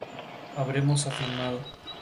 habremos afirmado